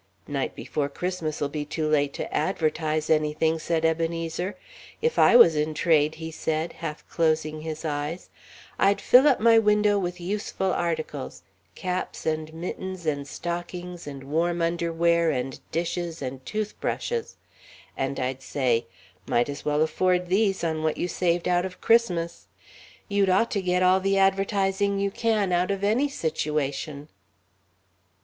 "Night before Christmas'll be too late to advertise anything," said Ebenezer. "If I was in trade," he said, half closing his eyes, "I'd fill my window up with useful articles caps and mittens and stockings and warm underwear and dishes and toothbrushes. And I'd say: 'Might as well afford these on what you saved out of Christmas.' You'd ought to get all the advertising you can out of any situation."